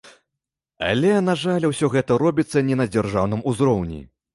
Але, на жаль, усё гэта робіцца не на дзяржаўным узроўні.